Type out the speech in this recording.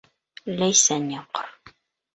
Ләйсән ямғыр